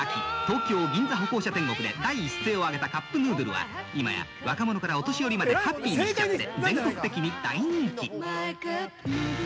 東京・銀座歩行者天国で第一声を上げたカップヌードルは今や若者からお年寄りまでハッピーにしちゃって全国的に大人気。